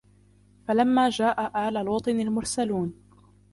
فَلَمَّا جَاءَ آلَ لُوطٍ الْمُرْسَلُونَ